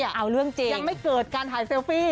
ยังไม่เกิดการถ่ายเซลฟี่